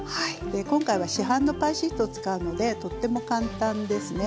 今回は市販のパイシートを使うのでとっても簡単ですね。